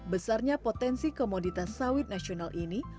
besarnya potensi komoditas sawit nasional ini